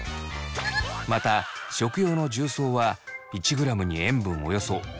また食用の重曹は１ｇに塩分およそ０．７ｇを含みます。